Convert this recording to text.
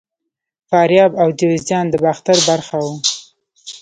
فاریاب او جوزجان د باختر برخه وو